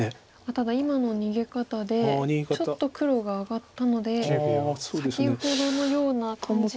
ただ今の逃げ方でちょっと黒が上がったので先ほどのような感じで。